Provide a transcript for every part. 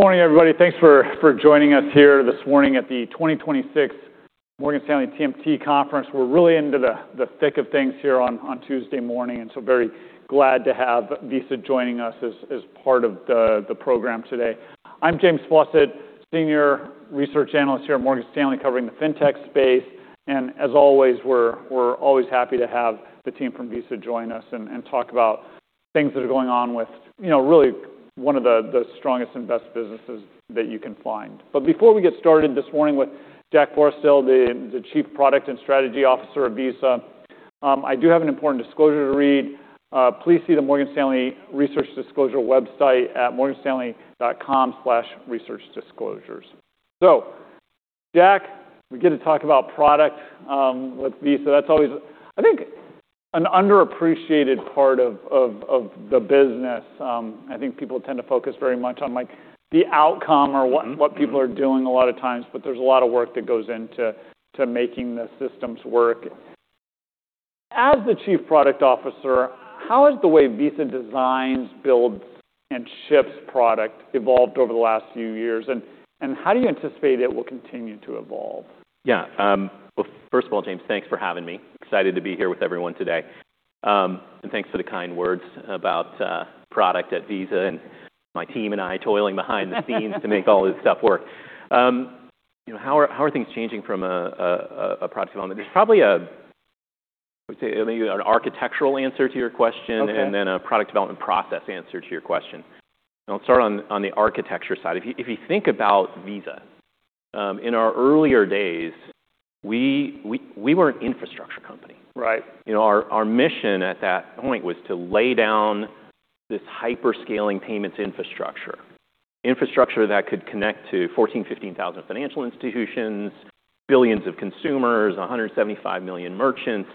Good morning, everybody. Thanks for joining us here this morning at the 2026 Morgan Stanley TMT Conference. We're really into the thick of things here on Tuesday morning, very glad to have Visa joining us as part of the program today. I'm James Faucette, Senior Research Analyst here at Morgan Stanley, covering the Fintech space. As always, we're always happy to have the team from Visa join us and talk about things that are going on with, you know, really one of the strongest and best businesses that you can find. Before we get started this morning with Jack Forestell, the Chief Product and Strategy Officer of Visa, I do have an important disclosure to read. Please see the Morgan Stanley Research Disclosure website at morganstanley.com/researchdisclosures. Jack, we get to talk about product with Visa. That's always, I think, an underappreciated part of the business. I think people tend to focus very much on, like, the outcome. Mm-hmm. What people are doing a lot of times, but there's a lot of work that goes into making the systems work. As the Chief Product Officer, how has the way Visa designs, builds, and ships product evolved over the last few years? How do you anticipate it will continue to evolve? Well, first of all, James, thanks for having me. Excited to be here with everyone today. Thanks for the kind words about product at Visa and my team and I toiling behind the scenes to make all this stuff work. You know, how are things changing from a product development? There's probably, I would say, maybe an architectural answer to your question. Okay. A product development process answer to your question. I'll start on the architecture side. If you, if you think about Visa, in our earlier days, we were an infrastructure company. Right. You know, our mission at that point was to lay down this hyper-scaling payments infrastructure that could connect to 14,000, 15,000 financial institutions, billions of consumers, 175 million merchants,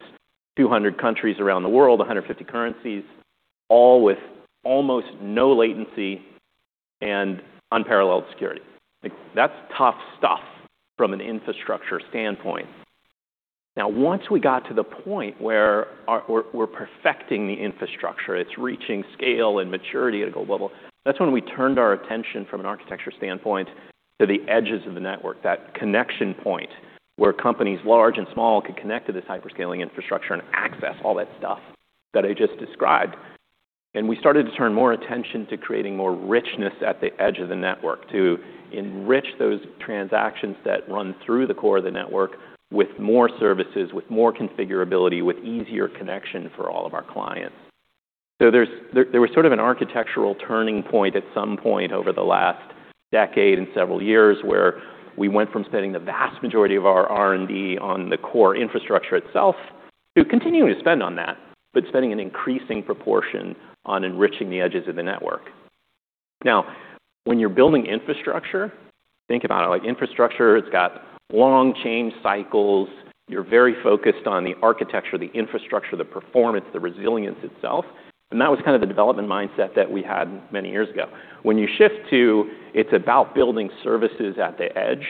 200 countries around the world, 150 currencies, all with almost no latency and unparalleled security. Like, that's tough stuff from an infrastructure standpoint. Once we got to the point where we're perfecting the infrastructure, it's reaching scale and maturity at a global level, that's when we turned our attention from an architecture standpoint to the edges of the network, that connection point where companies large and small could connect to this hyper-scaling infrastructure and access all that stuff that I just described. We started to turn more attention to creating more richness at the edge of the network to enrich those transactions that run through the core of the network with more services, with more configurability, with easier connection for all of our clients. There was sort of an architectural turning point at some point over the last decade and several years where we went from spending the vast majority of our R&D on the core infrastructure itself to continuing to spend on that, but spending an increasing proportion on enriching the edges of the network. When you're building infrastructure, think about it like infrastructure, it's got long change cycles. You're very focused on the architecture, the infrastructure, the performance, the resilience itself. That was kind of the development mindset that we had many years ago. When you shift to it's about building services at the edge,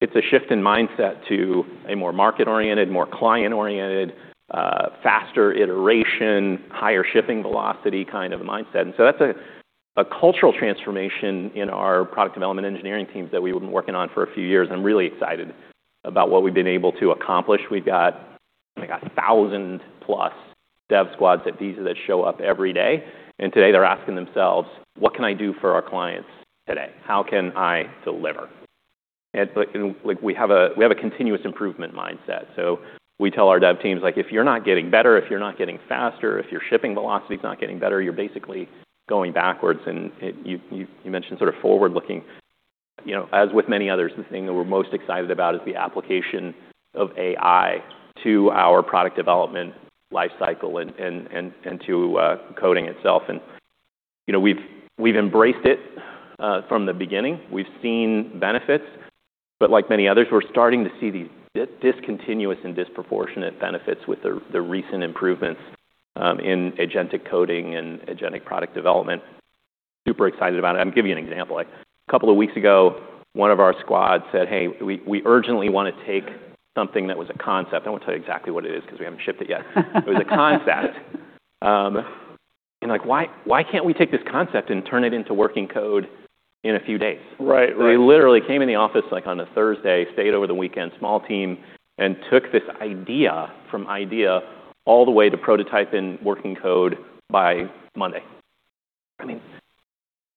it's a shift in mindset to a more market-oriented, more client-oriented, faster iteration, higher shipping velocity kind of a mindset. That's a cultural transformation in our product development engineering teams that we've been working on for a few years, and I'm really excited about what we've been able to accomplish. We've got like 1,000+ dev squads at Visa that show up every day, and today they're asking themselves, "What can I do for our clients today? How can I deliver?" Like, we have a continuous improvement mindset. So we tell our dev teams, like, "If you're not getting better, if you're not getting faster, if your shipping velocity is not getting better, you're basically going backwards." You mentioned sort of forward-looking. You know, as with many others, the thing that we're most excited about is the application of AI to our product development life cycle and to coding itself. You know, we've embraced it from the beginning. We've seen benefits, but like many others, we're starting to see these discontinuous and disproportionate benefits with the recent improvements in agentic coding and agentic product development. Super excited about it. I'm giving you an example. Like, a couple of weeks ago, one of our squads said, "Hey, we urgently wanna take something that was a concept..." I won't tell you exactly what it is 'cause we haven't shipped it yet. It was a concept. Like, "Why can't we take this concept and turn it into working code in a few days? Right. Right. They literally came in the office, like, on a Thursday, stayed over the weekend, small team, and took this idea from idea all the way to prototype in working code by Monday. I mean,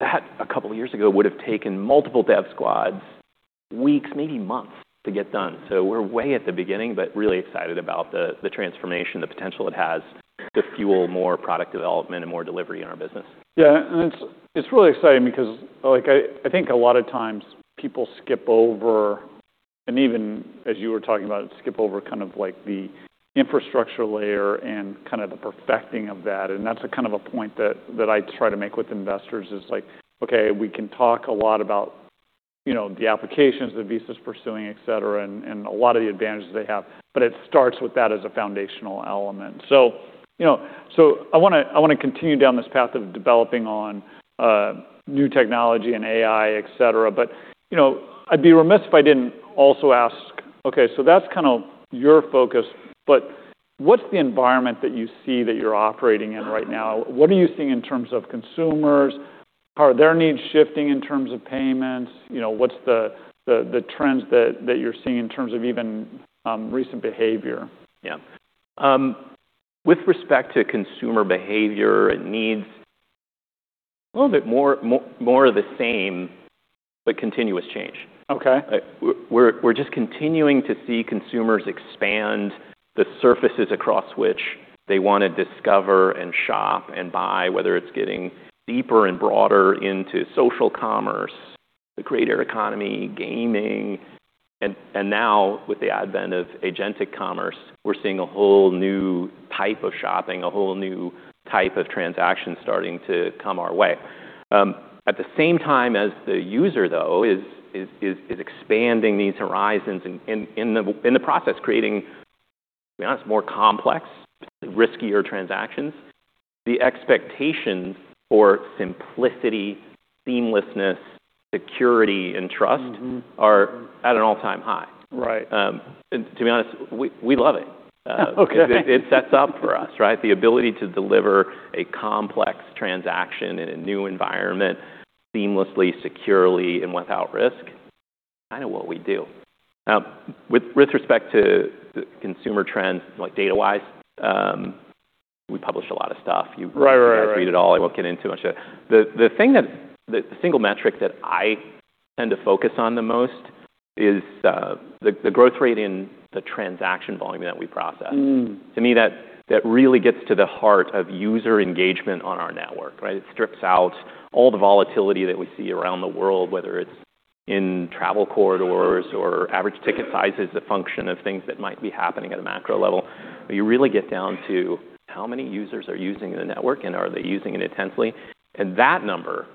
that a couple years ago would've taken multiple dev squads weeks, maybe months to get done. We're way at the beginning, but really excited about the transformation, the potential it has to fuel more product development and more delivery in our business. Yeah. It's, it's really exciting because, like, I think a lot of times people skip over, and even as you were talking about skip over kind of like the infrastructure layer and kind of the perfecting of that. That's a kind of a point that I try to make with investors is like, okay, we can talk a lot about, you know, the applications that Visa's pursuing, et cetera, and a lot of the advantages they have, but it starts with that as a foundational element. You know, I wanna continue down this path of developing on new technology and AI, et cetera, but, you know, I'd be remiss if I didn't also ask. Okay, so that's kind of your focus. What's the environment that you see that you're operating in right now? What are you seeing in terms of consumers? Are their needs shifting in terms of payments? You know, what's the trends that you're seeing in terms of even recent behavior? With respect to consumer behavior and needs, a little bit more of the same, but continuous change. Okay. We're just continuing to see consumers expand the surfaces across which they wanna discover and shop and buy, whether it's getting deeper and broader into social commerce, the creator economy, gaming. Now with the advent of agentic commerce, we're seeing a whole new type of shopping, a whole new type of transaction starting to come our way. At the same time as the user, though, is expanding these horizons in the process creating, to be honest, more complex, riskier transactions. The expectations for simplicity, seamlessness, security, and trust- Mm-hmm.... are at an all-time high. Right. To be honest, we love it. Okay. It sets up for us, right? The ability to deliver a complex transaction in a new environment seamlessly, securely, and without risk, kinda what we do. With respect to the consumer trends, like data-wise, we publish a lot of stuff. Right. Right. Right. Can read it all. The single metric that I tend to focus on the most is the growth rate in the transaction volume that we process. Mm. To me, that really gets to the heart of user engagement on our network, right? It strips out all the volatility that we see around the world, whether it's in travel corridors or average ticket sizes, a function of things that might be happening at a macro level. You really get down to how many users are using the network, and are they using it intensely. That number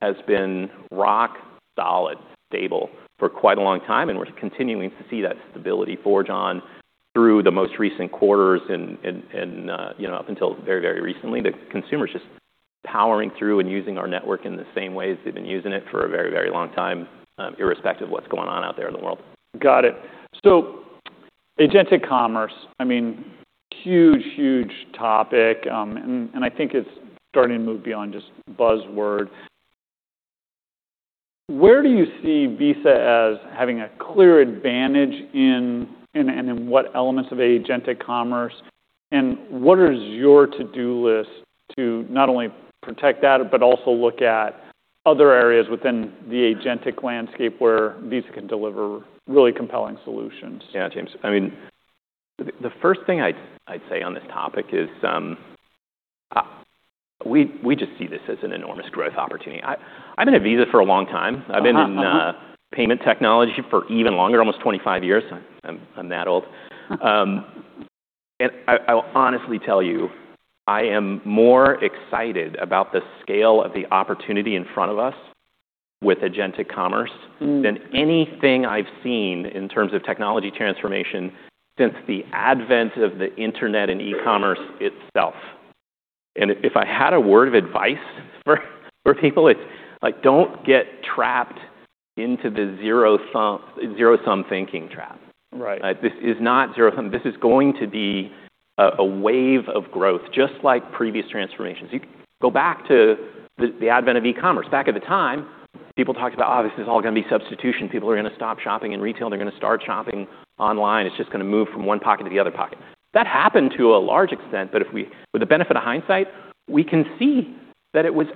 has been rock solid stable for quite a long time, and we're continuing to see that stability forge on through the most recent quarters and, you know, up until very, very recently. The consumer's just powering through and using our network in the same ways they've been using it for a very, very long time, irrespective of what's going on out there in the world. Got it. agentic commerce, I mean, huge, huge topic, and I think it's starting to move beyond just buzzword. Where do you see Visa as having a clear advantage in, and in what elements of agentic commerce? What is your to-do list to not only protect that but also look at other areas within the agentic landscape where Visa can deliver really compelling solutions? Yeah, James. I mean, the first thing I'd say on this topic is, we just see this as an enormous growth opportunity. I've been at Visa for a long time. Uh-huh. Mm-hmm. I've been in payment technology for even longer, almost 25 years. I'm that old. I'll honestly tell you, I am more excited about the scale of the opportunity in front of us with agentic commerce. Mm. Than anything I've seen in terms of technology transformation since the advent of the internet and e-commerce itself. If I had a word of advice for people, it's like, don't get trapped into the zero-sum thinking trap. Right. This is not zero-sum. This is going to be a wave of growth, just like previous transformations. You go back to the advent of e-commerce. Back at the time, people talked about, "Oh, this is all gonna be substitution. People are gonna stop shopping in retail, and they're gonna start shopping online. It's just gonna move from one pocket to the other pocket." That happened to a large extent. With the benefit of hindsight, we can see that it was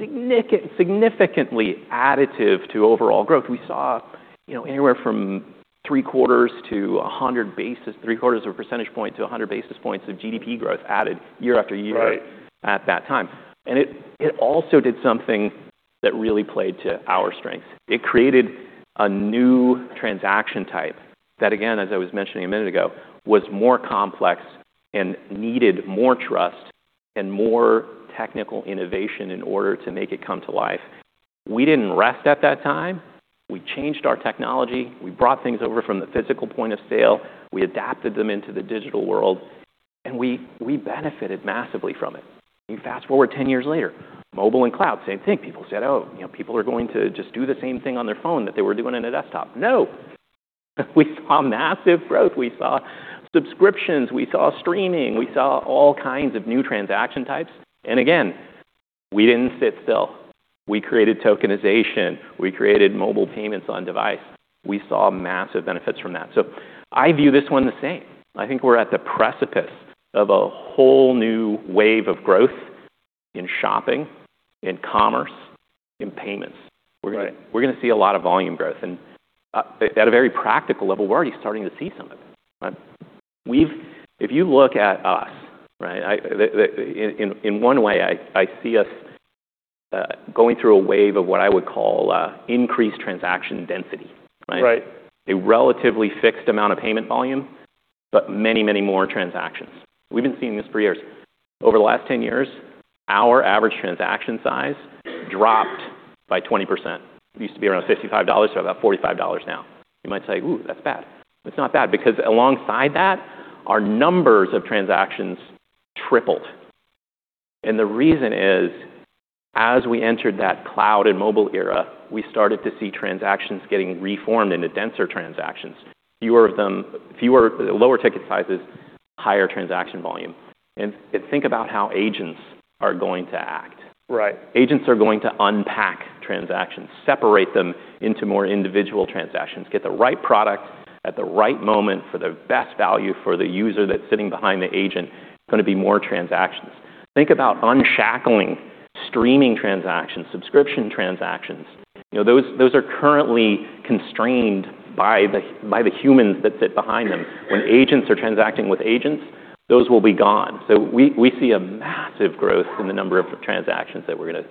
significant, significantly additive to overall growth. We saw, you know, anywhere from three-quarters of a percentage point to 100 basis points of GDP growth added year after year- Right.... at that time. It also did something that really played to our strength. It created a new transaction type that, again, as I was mentioning a minute ago, was more complex and needed more trust and more technical innovation in order to make it come to life. We didn't rest at that time. We changed our technology. We brought things over from the physical point of sale. We adapted them into the digital world. We benefited massively from it. You fast-forward 10 years later, mobile and cloud, same thing. People said, "Oh, you know, people are going to just do the same thing on their phone that they were doing on a desktop." No. We saw massive growth. We saw subscriptions. We saw streaming. We saw all kinds of new transaction types. Again, we didn't sit still. We created tokenization. We created mobile payments on device. We saw massive benefits from that. I view this one the same. I think we're at the precipice of a whole new wave of growth in shopping, in commerce, in payments. Right. We're gonna see a lot of volume growth. At a very practical level, we're already starting to see some of it, right? If you look at us, right, in one way, I see us going through a wave of what I would call increased transaction density, right? Right. A relatively fixed amount of payment volume, but many, many more transactions. We've been seeing this for years. Over the last 10 years, our average transaction size dropped by 20%. It used to be around $55, so about $45 now. You might say, "Ooh, that's bad." It's not bad because alongside that, our numbers of transactions tripled. The reason is, as we entered that cloud and mobile era, we started to see transactions getting reformed into denser transactions. Fewer of them... Lower ticket sizes, higher transaction volume. Think about how agents are going to act. Right. Agents are going to unpack transactions, separate them into more individual transactions, get the right product at the right moment for the best value for the user that's sitting behind the agent. It's going to be more transactions. Think about unshackling streaming transactions, subscription transactions. You know, those are currently constrained by the humans that sit behind them. When agents are transacting with agents, those will be gone. We see a massive growth in the number of transactions that we're going to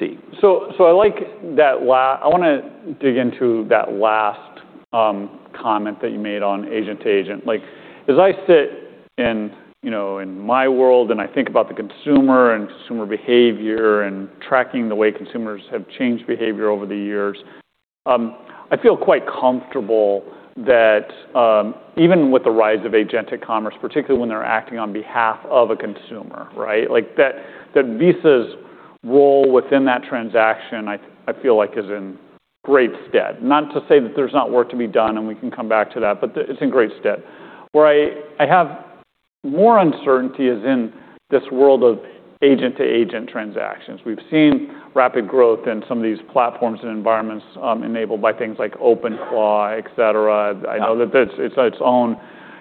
see. I like that I want to dig into that last comment that you made on agent-to-agent. Like, as I sit in, you know, in my world and I think about the consumer and consumer behavior and tracking the way consumers have changed behavior over the years, I feel quite comfortable that even with the rise of agentic commerce, particularly when they're acting on behalf of a consumer, right? Like, that Visa's role within that transaction, I feel like is in great stead. Not to say that there's not work to be done, and we can come back to that, but it's in great stead. Where I have more uncertainty is in this world of agent-to-agent transactions. We've seen rapid growth in some of these platforms and environments, enabled by things like OpenClaw, et cetera. I know that it's its own...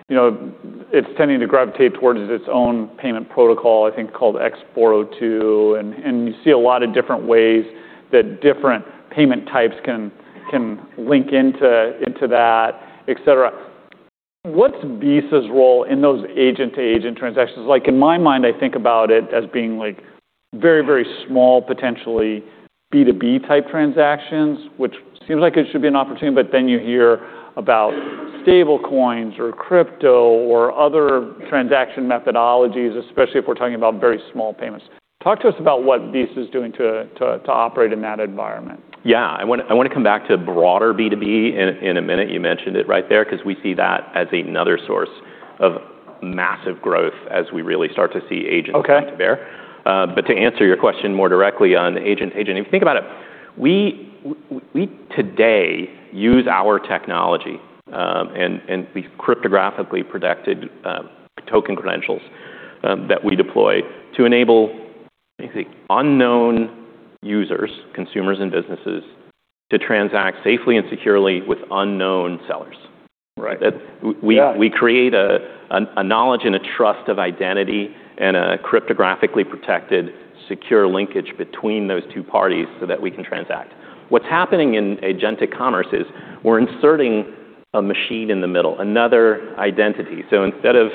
You know, it's tending to gravitate towards its own payment protocol, I think called x402, and you see a lot of different ways that different payment types can link into that, et cetera. What's Visa's role in those agent-to-agent transactions? Like, in my mind, I think about it as being like very, very small, potentially B2B type transactions, which seems like it should be an opportunity, but then you hear about stablecoins or crypto or other transaction methodologies, especially if we're talking about very small payments. Talk to us about what Visa is doing to operate in that environment. Yeah. I want to come back to broader B2B in a minute. You mentioned it right there because we see that as another source of massive growth as we really start to see agents come to bear. Okay. To answer your question more directly on agent to agent, if you think about it, we today use our technology, and these cryptographically protected token credentials that we deploy to enable the unknown users, consumers and businesses, to transact safely and securely with unknown sellers. Right. Yeah. We create a knowledge and a trust of identity and a cryptographically protected secure linkage between those two parties so that we can transact. What's happening in agentic commerce is we're inserting a machine in the middle, another identity. Instead of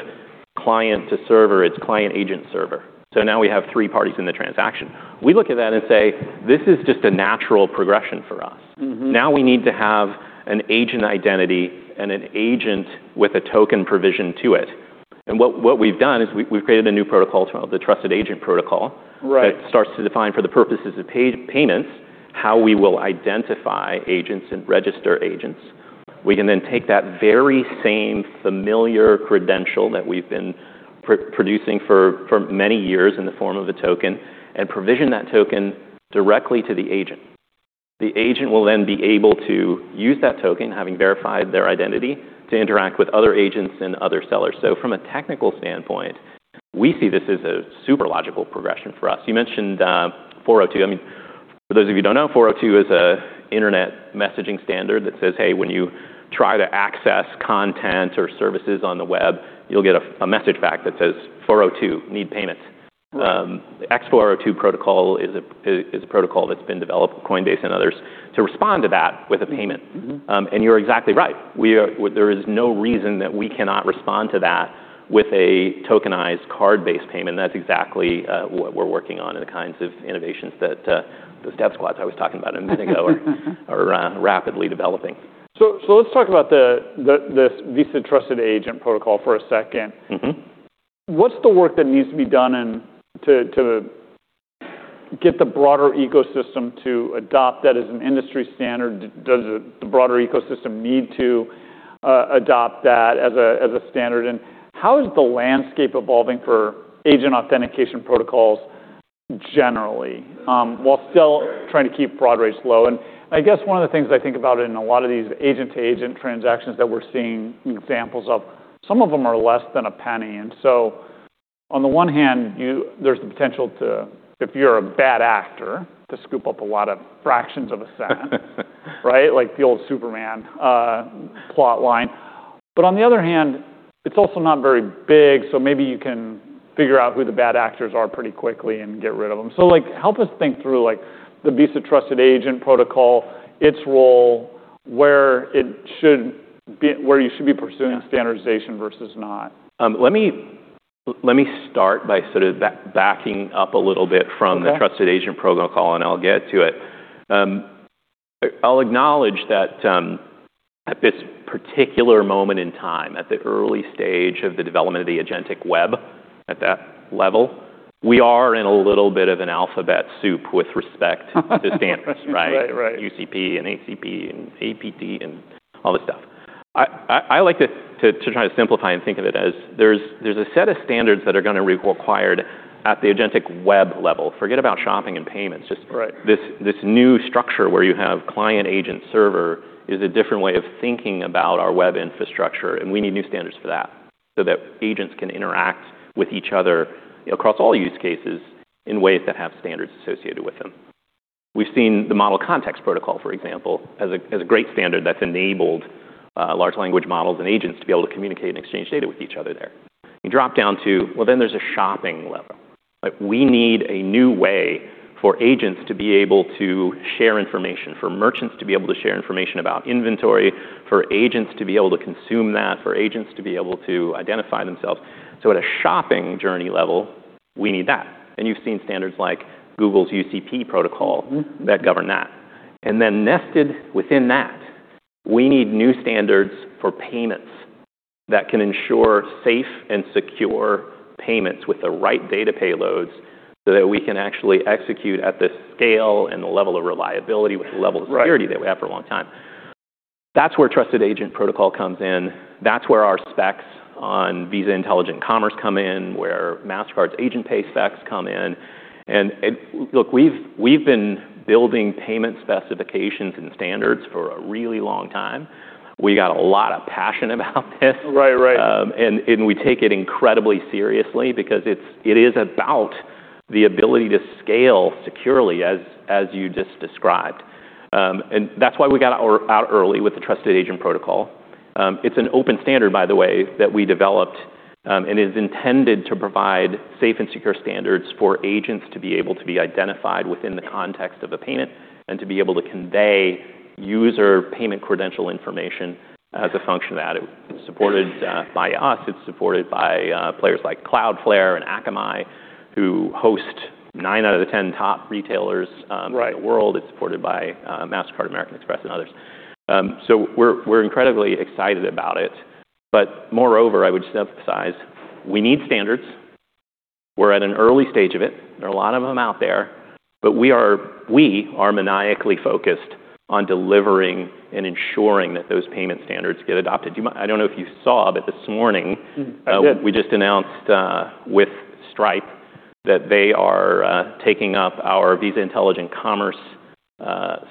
client to server, it's client agent server. Now we have three parties in the transaction. We look at that and say, "This is just a natural progression for us. Mm-hmm. Now we need to have an agent identity and an agent with a token provision to it. What we've done is we've created a new protocol term, the Trusted Agent Protocol. Right That starts to define for the purposes of payments, how we will identify agents and register agents. We can then take that very same familiar credential that we've been producing for many years in the form of a token and provision that token directly to the agent. The agent will then be able to use that token, having verified their identity, to interact with other agents and other sellers. From a technical standpoint, we see this as a super logical progression for us. You mentioned 402. I mean, for those of you who don't know, 402 is a internet messaging standard that says, "Hey, when you try to access content or services on the web, you'll get a message back that says, '402, need payments.'" x402 protocol is a protocol that's been developed with Coinbase and others to respond to that with a payment. Mm-hmm. You're exactly right. There is no reason that we cannot respond to that with a tokenized card-based payment. That's exactly what we're working on and the kinds of innovations that those dev squads I was talking about a minute ago are rapidly developing. Let's talk about this Visa Trusted Agent Protocol for a second. Mm-hmm. What's the work that needs to be done and to get the broader ecosystem to adopt that as an industry standard? Does the broader ecosystem need to adopt that as a standard? How is the landscape evolving for agent authentication protocols generally, while still trying to keep fraud rates low? I guess one of the things I think about in a lot of these agent-to-agent transactions that we're seeing examples of, some of them are less than a penny. On the one hand, there's the potential to, if you're a bad actor, to scoop up a lot of fractions of a cent. Right? Like the old Superman plot line. On the other hand, it's also not very big, so maybe you can figure out who the bad actors are pretty quickly and get rid of them. Like, help us think through, like, the Visa Trusted Agent Protocol, its role, where you should be pursuing standardization versus not. Let me start by sort of backing up a little bit from- Okay.... the Trusted Agent Protocol, I'll get to it. I'll acknowledge that at this particular moment in time, at the early stage of the development of the agentic web at that level, we are in a little bit of an alphabet soup with respect to standards, right? Right. Right. UCP and ACP and APT and all this stuff. I like to try to simplify and think of it as there's a set of standards that are gonna be required at the agentic web level. Forget about shopping and payments. Right. Just this new structure where you have client agent server is a different way of thinking about our web infrastructure. We need new standards for that so that agents can interact with each other across all use cases in ways that have standards associated with them. We've seen the Model Context Protocol, for example, as a great standard that's enabled large language models and agents to be able to communicate and exchange data with each other there. You drop down to, well, there's a shopping level, right? We need a new way for agents to be able to share information, for merchants to be able to share information about inventory, for agents to be able to consume that, for agents to be able to identify themselves. At a shopping journey level, we need that. You've seen standards like Google's UCP protocol. Mm. that govern that. Nested within that, we need new standards for payments that can ensure safe and secure payments with the right data payloads so that we can actually execute at the scale and the level of reliability with the level of security- Right.... that we have for a long time. That's where Trusted Agent Protocol comes in. That's where our specs on Visa Intelligent Commerce come in, where Mastercard Agent Pay specs come in. Look, we've been building payment specifications and standards for a really long time. We got a lot of passion about this. Right. Right. We take it incredibly seriously because it is about the ability to scale securely as you just described. That's why we got out early with the Trusted Agent Protocol. It's an open standard, by the way, that we developed, and is intended to provide safe and secure standards for agents to be able to be identified within the context of a payment and to be able to convey user payment credential information as a function of that. It's supported by us. It's supported by players like Cloudflare and Akamai, who host nine out of the 10 top retailers. Right. in the world. It's supported by Mastercard, American Express and others. We're, we're incredibly excited about it. Moreover, I would emphasize we need standards. We're at an early stage of it. There are a lot of them out there, but we are maniacally focused on delivering and ensuring that those payment standards get adopted. I don't know if you saw, but this morning- I did.... we just announced with Stripe that they are taking up our Visa Intelligent Commerce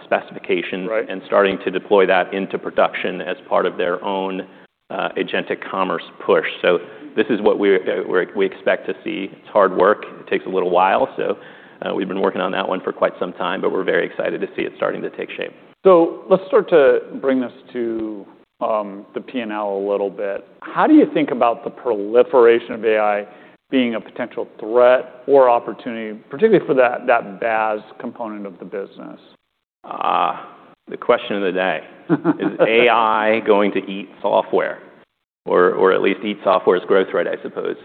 specification- Right.... starting to deploy that into production as part of their own, agentic commerce push. This is what we expect to see. It's hard work. It takes a little while. We've been working on that one for quite some time, but we're very excited to see it starting to take shape. Let's start to bring this to the P&L a little bit. How do you think about the proliferation of AI being a potential threat or opportunity, particularly for that BaaS component of the business? The question of the day. Is AI going to eat software or at least eat software's growth rate, I suppose?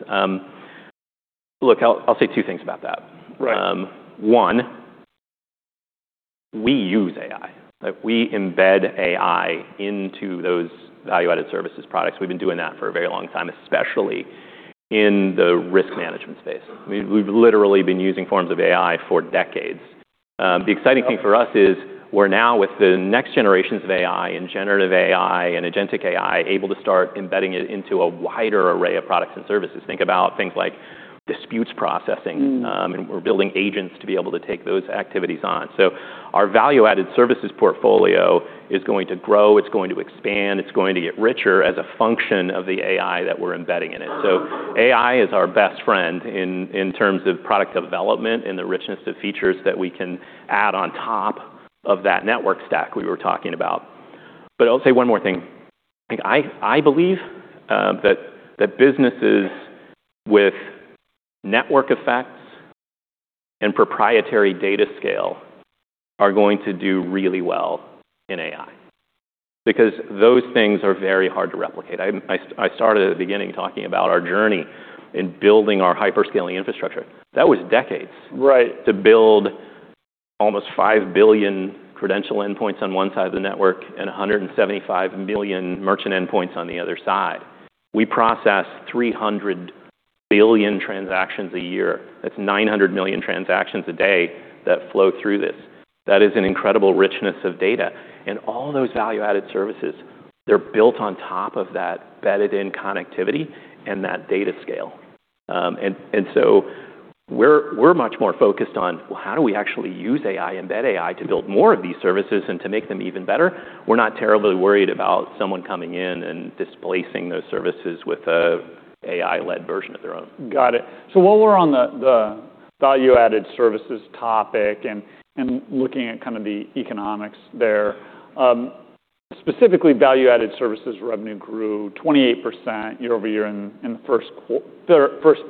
Look, I'll say two things about that. Right. One, we use AI. Like, we embed AI into those value-added services products. We've been doing that for a very long time, especially in the risk management space. We've literally been using forms of AI for decades. The exciting thing for us is we're now with the next generations of AI and generative AI and agentic AI able to start embedding it into a wider array of products and services. Think about things like disputes processing. Mm. We're building agents to be able to take those activities on. Our value-added services portfolio is going to grow, it's going to expand, it's going to get richer as a function of the AI that we're embedding in it. AI is our best friend in terms of product development and the richness of features that we can add on top of that network stack we were talking about. I'll say one more thing. I believe that businesses with network effects and proprietary data scale are going to do really well in AI because those things are very hard to replicate. I started at the beginning talking about our journey in building our hyper-scaling infrastructure. That was decades- Right.... to build almost 5 billion credential endpoints on one side of the network and 175 million merchant endpoints on the other side. We process 300 billion transactions a year. That's 900 million transactions a day that flow through this. That is an incredible richness of data. We're much more focused on, well, how do we actually use AI, embed AI to build more of these services and to make them even better? We're not terribly worried about someone coming in and displacing those services with a AI-led version of their own. Got it. While we're on the value-added services topic and looking at kind of the economics there, specifically value-added services revenue grew 28% year-over-year in the first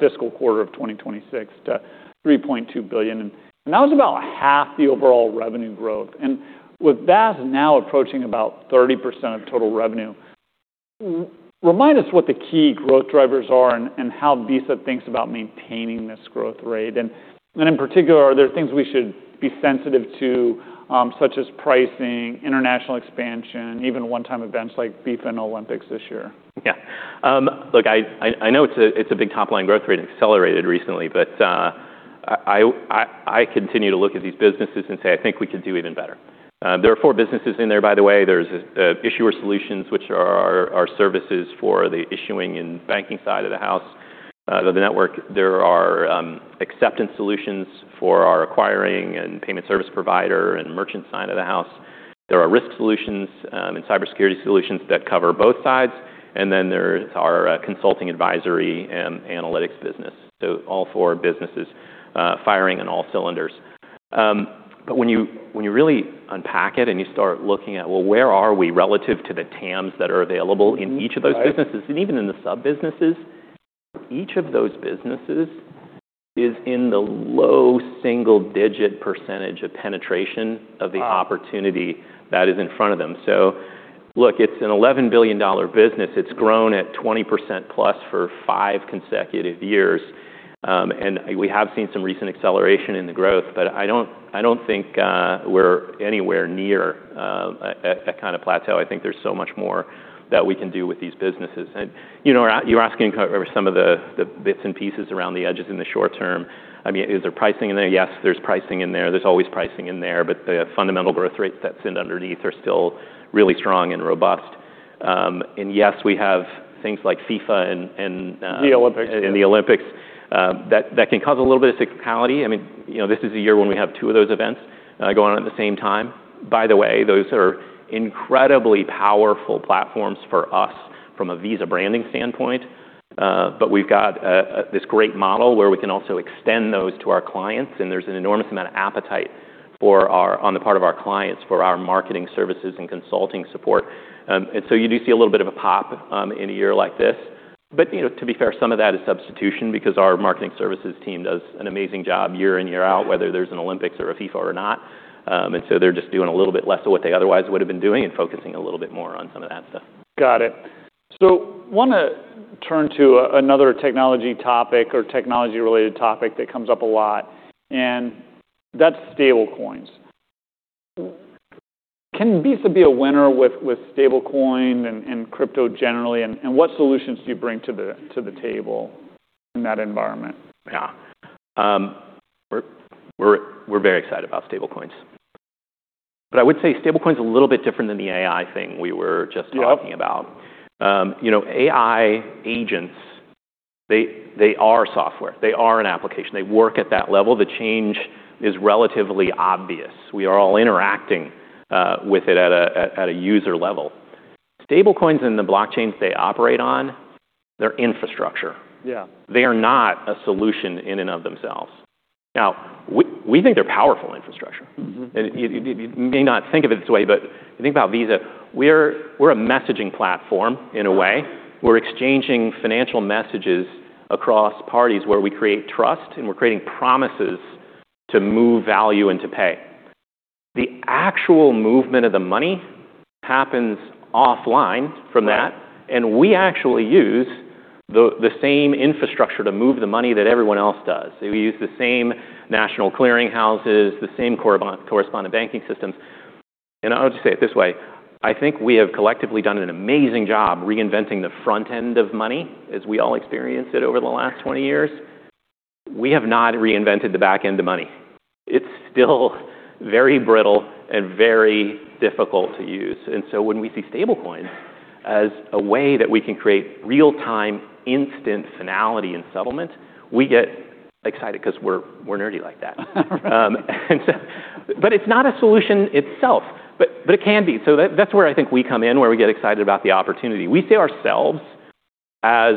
fiscal quarter of 2026 to $3.2 billion, and that was about half the overall revenue growth. With that now approaching about 30% of total revenue, remind us what the key growth drivers are and how Visa thinks about maintaining this growth rate. In particular, are there things we should be sensitive to, such as pricing, international expansion, even one-time events like FIFA and Olympics this year? Yeah. Look, I, I know it's a, it's a big top-line growth rate accelerated recently, but I, I continue to look at these businesses and say, "I think we could do even better." There are four businesses in there, by the way. There's Issuer Solutions, which are our services for the issuing and banking side of the house, the network. There are Acceptance Solutions for our acquiring and payment service provider and merchant side of the house. There are Risk Solutions and Cybersecurity Solutions that cover both sides. There's our consulting advisory and analytics business. All four businesses firing on all cylinders. When you, when you really unpack it and you start looking at, well, where are we relative to the TAMs that are available in each of those businesses- Right.... even in the sub-businesses, each of those businesses is in the low single-digit percentage of penetration of the opportunity- Wow.... that is in front of them. Look, it's an $11 billion business. It's grown at 20%+ for five consecutive years. We have seen some recent acceleration in the growth, I don't think we're anywhere near a kind of plateau. I think there's so much more that we can do with these businesses. You know, you're asking kind of some of the bits and pieces around the edges in the short term. I mean, is there pricing in there? Yes, there's pricing in there. There's always pricing in there, but the fundamental growth rates that's in underneath are still really strong and robust. Yes, we have things like FIFA and- The Olympics.... and the Olympics, that can cause a little bit of cyclicality. I mean, you know, this is a year when we have two of those events going on at the same time. Those are incredibly powerful platforms for us from a Visa branding standpoint. But we've got this great model where we can also extend those to our clients, and there's an enormous amount of appetite on the part of our clients for our marketing services and consulting support. You do see a little bit of a pop in a year like this. You know, to be fair, some of that is substitution because our marketing services team does an amazing job year in, year out, whether there's an Olympics or a FIFA or not. They're just doing a little bit less of what they otherwise would have been doing and focusing a little bit more on some of that stuff. Got it. Wanna turn to another technology topic or technology-related topic that comes up a lot, and that's stablecoins. Can Visa be a winner with stablecoin and crypto generally, and what solutions do you bring to the table in that environment? Yeah. We're very excited about stablecoins. I would say stablecoin's a little bit different than the AI thing- Yep.... talking about. You know, AI agents, they are software. They are an application. They work at that level. The change is relatively obvious. We are all interacting with it at a user level. Stablecoins and the blockchains they operate on, they're infrastructure. Yeah. They are not a solution in and of themselves. We think they're powerful infrastructure. Mm-hmm. You may not think of it this way, but you think about Visa, we're a messaging platform in a way. We're exchanging financial messages across parties where we create trust, and we're creating promises to move value and to pay. The actual movement of the money happens offline from that- Right.... and we actually use the same infrastructure to move the money that everyone else does. We use the same national clearing houses, the same corresponding banking systems. I'll just say it this way, I think we have collectively done an amazing job reinventing the front end of money as we all experience it over the last 20 years. We have not reinvented the back end of money. It's still very brittle and very difficult to use. When we see stablecoin as a way that we can create real-time instant finality and settlement, we get excited 'cause we're nerdy like that. It's not a solution itself, but it can be. That's where I think we come in, where we get excited about the opportunity. We see ourselves as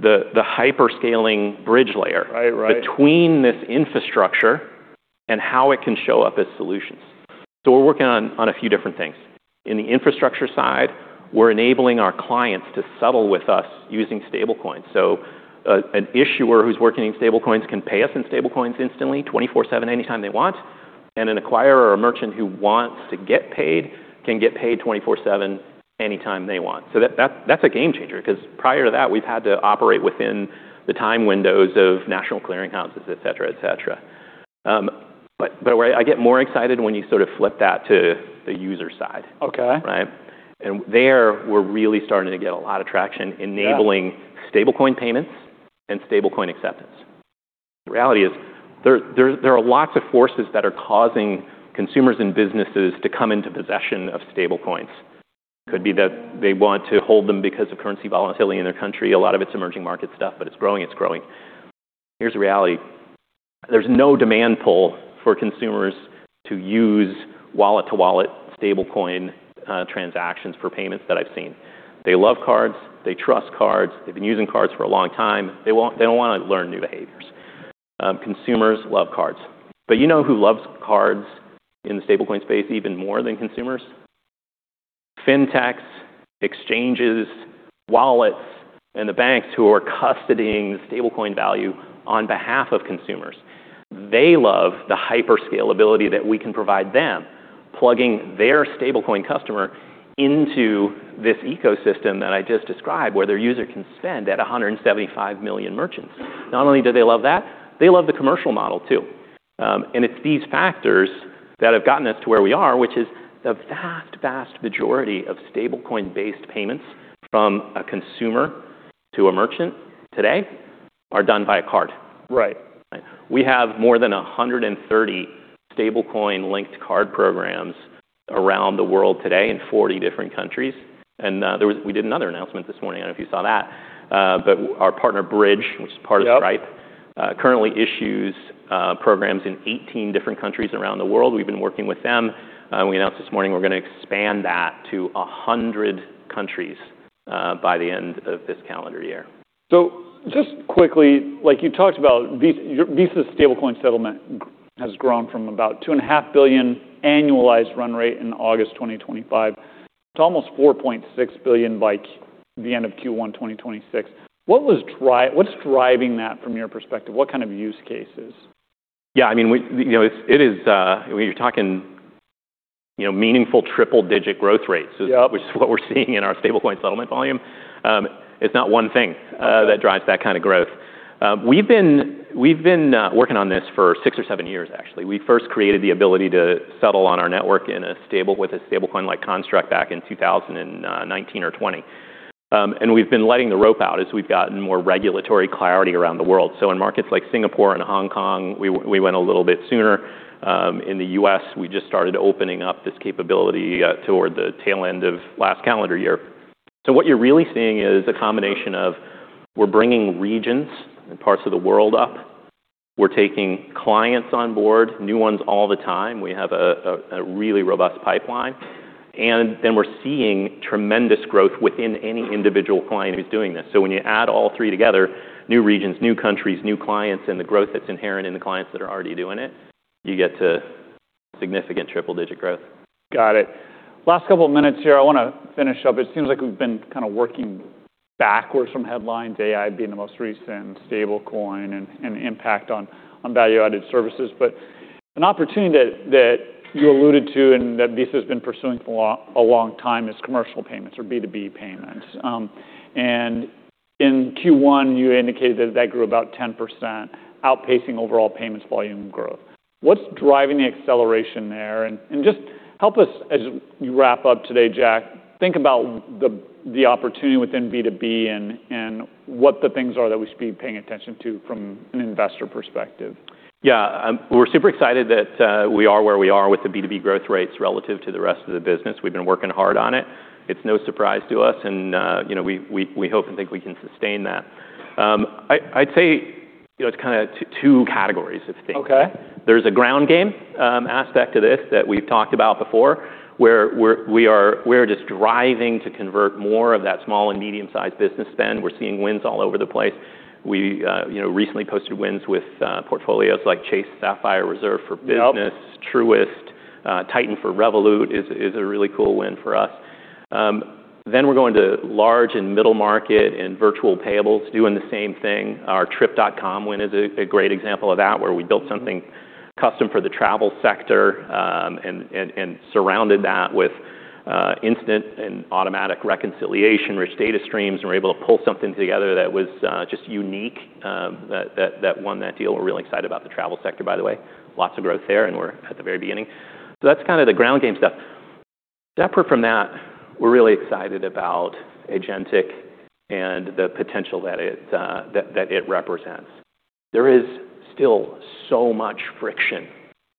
the hyper-scaling bridge layer- Right. Right.... between this infrastructure and how it can show up as solutions. We're working on a few different things. In the infrastructure side, we're enabling our clients to settle with us using stablecoins. An issuer who's working in stablecoins can pay us in stablecoins instantly, 24/7, anytime they want, and an acquirer or a merchant who wants to get paid can get paid 24/7 anytime they want. That's a game changer, 'cause prior to that, we've had to operate within the time windows of national clearing houses, et cetera, et cetera. But where I get more excited when you sort of flip that to the user side. Okay. Right? There we're really starting to get a lot of traction enabling- Yeah... stablecoin payments and stablecoin acceptance. The reality is there are lots of forces that are causing consumers and businesses to come into possession of stablecoins. Could be that they want to hold them because of currency volatility in their country. A lot of it's emerging market stuff, but it's growing, it's growing. Here's the reality. There's no demand pull for consumers to use wallet-to-wallet stablecoin transactions for payments that I've seen. They love cards. They trust cards. They've been using cards for a long time. They don't wanna learn new behaviors. Consumers love cards. You know who loves cards in the stablecoin space even more than consumers? Fintechs, exchanges, wallets, and the banks who are custodying the stablecoin value on behalf of consumers. They love the hyper scalability that we can provide them, plugging their stablecoin customer into this ecosystem that I just described, where their user can spend at 175 million merchants. Not only do they love that, they love the commercial model too. It's these factors that have gotten us to where we are, which is the vast majority of stablecoin-based payments from a consumer to a merchant today are done by a card. Right. We have more than 130 stablecoin-linked card programs around the world today in 40 different countries. We did another announcement this morning, I don't know if you saw that. Our partner Bridge, which is part of Stripe- Yep.... currently issues, programs in 18 different countries around the world. We've been working with them. We announced this morning we're gonna expand that to 100 countries, by the end of this calendar year. Just quickly, like you talked about Visa's stablecoin settlement has grown from about $2.5 billion annualized run rate in August 2025 to almost $4.6 billion by the end of Q1 2026. What's driving that from your perspective? What kind of use cases? Yeah, I mean, we, you know, it's, it is, you're talking, you know, meaningful triple-digit growth rates- Yep.... is what we're seeing in our stablecoin settlement volume. It's not one thing that drives that kind of growth. We've been working on this for six or seven years, actually. We first created the ability to settle on our network in a stable, with a stablecoin-like construct back in 2019 or 2020. We've been letting the rope out as we've gotten more regulatory clarity around the world. In markets like Singapore and Hong Kong, we went a little bit sooner. In the U.S., we just started opening up this capability toward the tail end of last calendar year. What you're really seeing is a combination of we're bringing regions and parts of the world up, we're taking clients on board, new ones all the time. We have a really robust pipeline. We're seeing tremendous growth within any individual client who's doing this. When you add all three together, new regions, new countries, new clients, and the growth that's inherent in the clients that are already doing it, you get to significant triple-digit growth. Got it. Last couple of minutes here. I wanna finish up. It seems like we've been kinda working backwards from headlines, AI being the most recent, stablecoin and impact on value-added services. An opportunity that you alluded to and that Visa's been pursuing for a long time is commercial payments or B2B payments. In Q1, you indicated that grew about 10%, outpacing overall payments volume growth. What's driving the acceleration there? Just help us, as we wrap up today, Jack, think about the opportunity within B2B and what the things are that we should be paying attention to from an investor perspective. Yeah. We're super excited that we are where we are with the B2B growth rates relative to the rest of the business. We've been working hard on it. It's no surprise to us, you know, we hope and think we can sustain that. I'd say, you know, it's kind of two categories of things. Okay. There's a ground game aspect to this that we've talked about before where we're just driving to convert more of that small and medium-sized business spend. We're seeing wins all over the place. We, you know, recently posted wins with portfolios like Chase Sapphire Reserve for Business. Yep. Truist, Titan for Revolut is a really cool win for us. Then we're going to large and middle market and Virtual Payables doing the same thing. Our Trip.com win is a great example of that, where we built something custom for the travel sector, and surrounded that with instant and automatic reconciliation, rich data streams, and were able to pull something together that was just unique, that won that deal. We're really excited about the travel sector, by the way. Lots of growth there, and we're at the very beginning. That's kind of the ground game stuff. Separate from that, we're really excited about agentic and the potential that it represents. There is still so much friction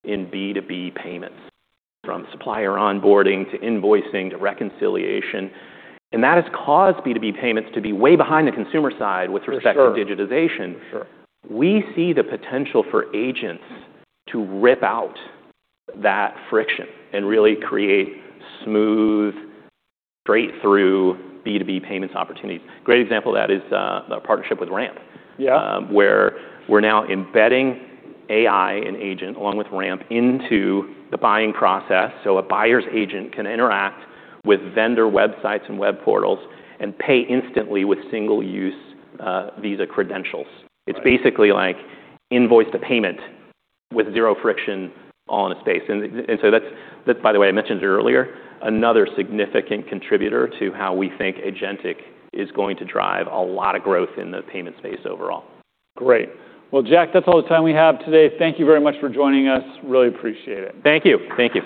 in B2B payments from supplier onboarding to invoicing to reconciliation. That has caused B2B payments to be way behind the consumer side- For sure.... to digitization. Sure. We see the potential for agents to rip out that friction and really create smooth, straight-through B2B payments opportunities. Great example of that is our partnership with Ramp. Yeah. Where we're now embedding AI and agent along with Ramp into the buying process, so a buyer's agent can interact with vendor websites and web portals and pay instantly with single-use, Visa credentials. Right. It's basically like invoice to payment with zero friction all in a space. That's, by the way, I mentioned it earlier, another significant contributor to how we think agentic is going to drive a lot of growth in the payment space overall. Great. Well, Jack, that's all the time we have today. Thank you very much for joining us. Really appreciate it. Thank you. Thank you.